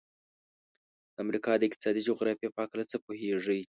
د امریکا د اقتصادي جغرافیې په هلکه څه پوهیږئ؟